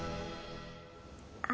あ！